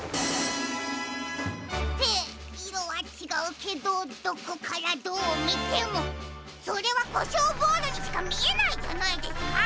っていろはちがうけどどこからどうみてもそれはコショウボールにしかみえないじゃないですか！